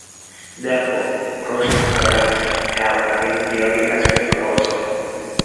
Therefore crossed products have a ring theory aspect also.